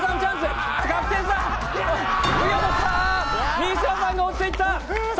三島さんが落ちていった。